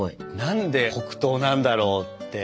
何で黒糖なんだろうって。